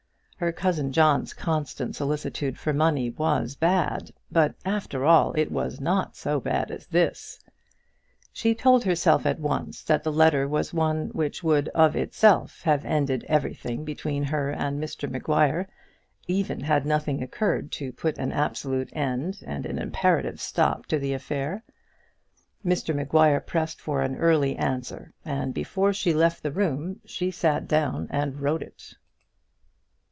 Her cousin John's constant solicitude for money was bad; but, after all, it was not so bad as this. She told herself at once that the letter was one which would of itself have ended everything between her and Mr Maguire, even had nothing occurred to put an absolute and imperative stop to the affair. Mr Maguire pressed for an early answer, and before she left the room she sat down and wrote it.